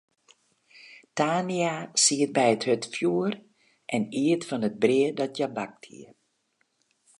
Tania siet by it hurdfjoer en iet fan it brea dat hja bakt hie.